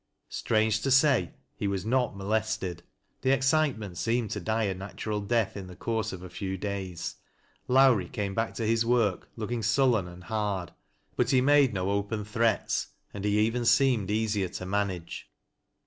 Strange to say he was not molested. The exciteiaent seemed to die a natural death in the coui se of a few days. Lowrie came back to his work looking sullen and hard but he made no open threats, and he even seemed easier to manage.